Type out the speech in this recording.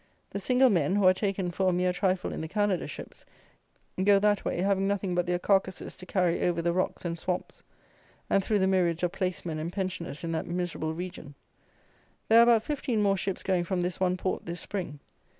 The single men, who are taken for a mere trifle in the Canada ships, go that way, have nothing but their carcasses to carry over the rocks and swamps, and through the myriads of place men and pensioners in that miserable region; there are about fifteen more ships going from this one port this spring.